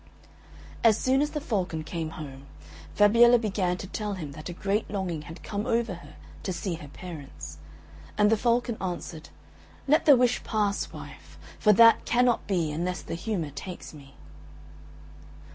As soon as the Falcon came home, Fabiella began to tell him that a great longing had come over her to see her parents. And the Falcon answered, "Let the wish pass, wife; for that cannot be unless the humour takes me."